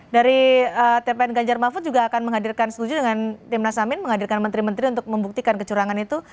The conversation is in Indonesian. dari tpn ganjar mahfud juga akan menghadirkan setuju dengan tim nasamin menghadirkan menteri menteri untuk membuktikan kecurangan itu